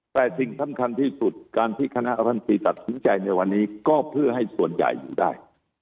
แต่สิ่งสำคัญที่สุดการที่คณะรัฐมนตรีตัดสินใจในวันนี้ก็เพื่อให้ส่วนใหญ่อยู่ได้